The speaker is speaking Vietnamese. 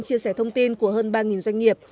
chia sẻ thông tin của hơn ba doanh nghiệp